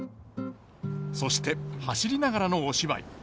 そして走りながらのお芝居。